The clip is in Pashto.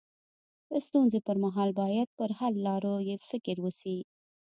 د ستونزي پر مهال باید پر حل لارو يې فکر وسي.